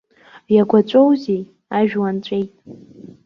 Иагәаҵәоузеи, ажәланҵәеит.